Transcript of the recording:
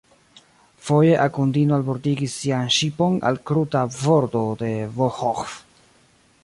Foje Akundino albordigis sian ŝipon al kruta bordo de Volĥov.